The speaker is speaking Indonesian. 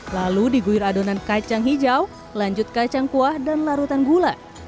lalu diguir adonan kacang hijau lanjut kacang kuah dan larutan gula